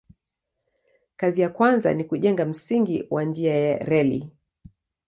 Kazi ya kwanza ni kujenga msingi wa njia ya reli.